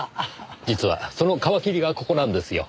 実はその皮切りがここなんですよ。